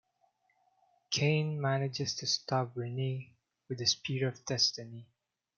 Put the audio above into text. Cain manages to stab Renee with the Spear of Destiny.